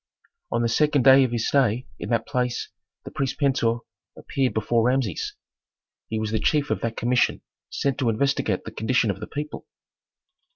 On the second day of his stay in that place the priest Pentuer appeared before Rameses. He was the chief of that commission sent to investigate the condition of the people.